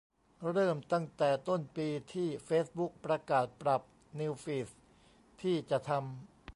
เริ่มตั้งแต่ต้นปีที่เฟซบุ๊กประกาศปรับนิวส์ฟีดที่จะทำ